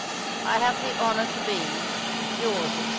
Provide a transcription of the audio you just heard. " I have the honour to be, '' Yours, etc.